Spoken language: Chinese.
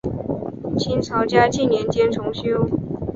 清朝嘉庆年间重修。